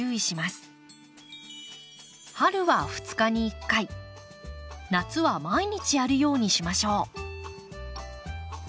春は２日に１回夏は毎日やるようにしましょう。